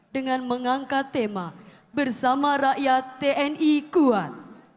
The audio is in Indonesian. dengan mengangkat tema bersama rakyat tni kuat